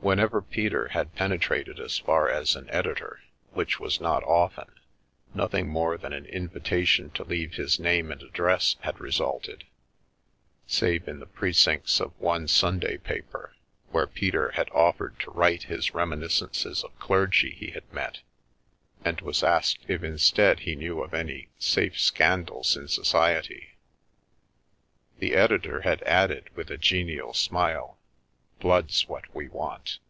Whenever Peter had penetrated as far as an editor, which was not often, nothing more than an invitation to leave his name and address had resulted; save in the precincts of one Sun day paper, where Peter had offered to write his remin iscences of clergy he had met, and was asked if instead he knew of any " safe scandals in society/' The editor had added, with a genial smile, 4< Blood's what we want."